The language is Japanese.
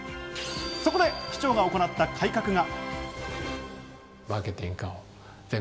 そこで市長が行った改革は。